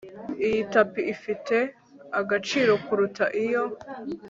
Iyi tapi ifite agaciro kuruta iyo